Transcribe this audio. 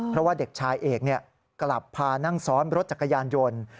เพราะว่าเด็กชายเอกกลับพานั่งซ้อนรถจักรยานยนต์